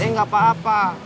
eh enggak apa apa